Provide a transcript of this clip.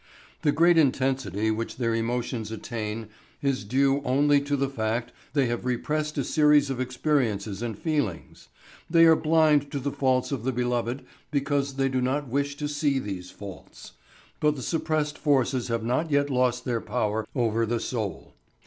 The great intensity which their emotions attain is due only to the fact they have repressed a series of experiences and feelings. They are blind to the faults of the beloved because they do not wish to see these faults. But the suppressed forces have not yet lost their power over the soul.